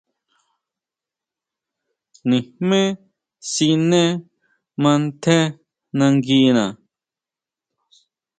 Nijmé siné mantjé nanguina.